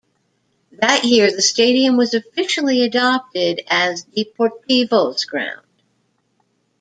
That year, the stadium was officially adopted as Deportivo's ground.